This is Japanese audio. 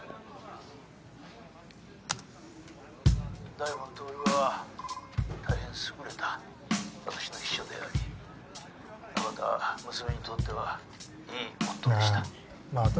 大門亨はたいへん優れた私の秘書でありまた娘にとってはいい夫でした。